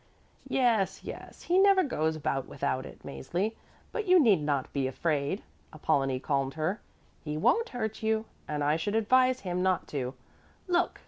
"Yes, yes, he never goes about without it, Mäzli, but you need not be afraid," Apollonie calmed her. "He won't hurt you, and I should advise him not to. Look!